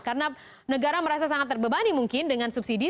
karena negara merasa sangat terbebani mungkin dengan subsidi